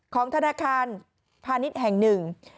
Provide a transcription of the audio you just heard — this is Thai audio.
ของธนาคารพาณิชย์แห่งหนึ่ง